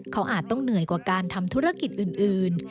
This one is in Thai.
เขาอาจต้องเหนื่อยกว่าการทำธุรกิจอื่น